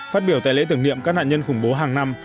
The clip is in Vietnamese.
phát biểu tại lễ tưởng niệm các nạn nhân khủng bố hàng năm